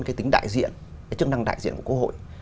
cái tính đại diện cái chức năng đại diện của quốc hội